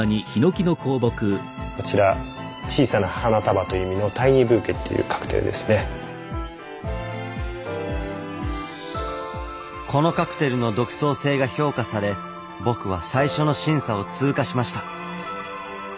こちらこのカクテルの独創性が評価され僕は最初の審査を通過しました。